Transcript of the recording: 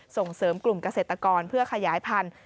ส่งเสริมกลุ่มเกษตรกรเพื่อขยายพันธุ์